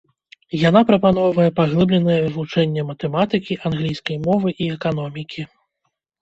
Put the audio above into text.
Яна прапаноўвае паглыбленае вывучэнне матэматыкі, англійскай мовы і эканомікі.